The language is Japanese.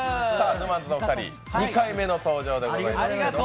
ぬまんづのお二人、２回目の登場でございます。